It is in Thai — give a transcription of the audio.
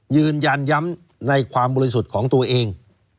ยืนยันย้ำในความบริสุทธิ์ของตัวเอง